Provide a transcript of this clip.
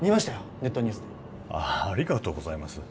ネットニュースでありがとうございます